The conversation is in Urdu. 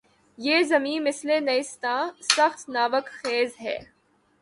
یہ زمیں مثلِ نیستاں‘ سخت ناوک خیز ہے